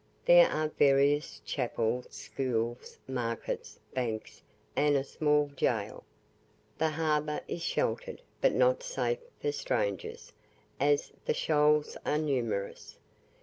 There are various, chapels, schools, markets, banks, and a small gaol. The harbour is sheltered, but not safe for strangers, as the shoals are numerous.